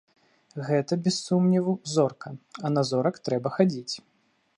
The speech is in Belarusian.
Гэта, без сумневу, зорка, а на зорак трэба хадзіць.